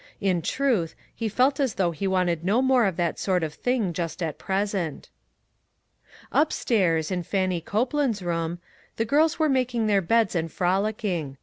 In truth, he felt as though he wanted no more of that sort of thing just at present. Up stairs, in Fannie Copeland's room, the girls were making their beds and frolicking.